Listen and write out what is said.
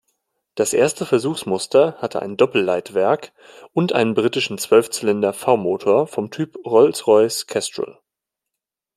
Das erste Versuchsmuster hatte ein Doppelleitwerk und einen britischen Zwölfzylinder-V-Motor vom Typ Rolls-Royce Kestrel.